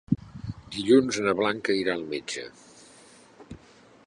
Dilluns na Blanca irà al metge.